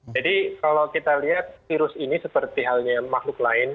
jadi kalau kita lihat virus ini seperti halnya makhluk lain